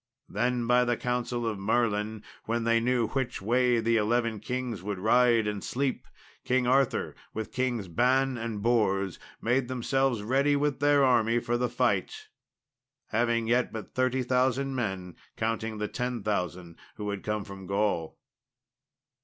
Then, by the counsel of Merlin, when they knew which way the eleven kings would ride and sleep, King Arthur with Kings Ban and Bors made themselves ready with their army for the fight, having yet but 30,000 men, counting the 10,000 who had come from Gaul.